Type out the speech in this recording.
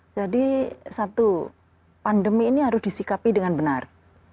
jadi satu pandemi ini harus disikapi dengan benar